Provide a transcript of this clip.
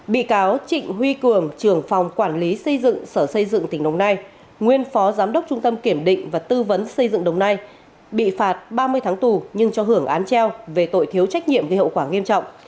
bị cáo trịnh huy cường trưởng phòng quản lý xây dựng sở xây dựng tỉnh đồng nai nguyên phó giám đốc trung tâm kiểm định và tư vấn xây dựng đồng nai bị phạt ba mươi tháng tù nhưng cho hưởng án treo về tội thiếu trách nhiệm gây hậu quả nghiêm trọng